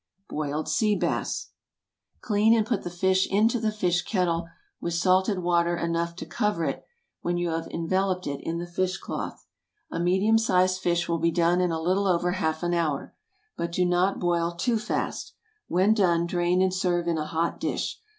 BOILED SEA BASS. Clean and put the fish into the fish kettle, with salted water enough to cover it when you have enveloped it in the fish cloth. A medium sized fish will be done in a little over half an hour. But do not boil too fast. When done, drain and serve in a hot dish.